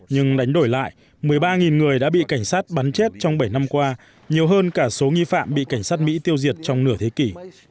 nhưng đánh đổi lại một mươi ba người đã bị cảnh sát bắn chết trong bảy năm qua nhiều hơn cả số nghi phạm bị cảnh sát mỹ tiêu diệt trong nửa thế kỷ